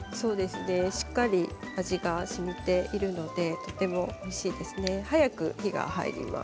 しっかり味がしみているのでとてもおいしいですね。早く火が入ります。